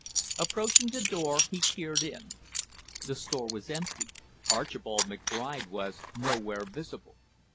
Approaching the door he peered in. The store was empty, Archibald McBride was nowhere visible.